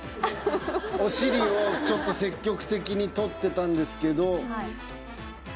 お尻をちょっと積極的に撮ってたんですけど。